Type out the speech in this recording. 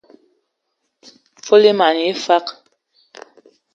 Fol e man yə afag.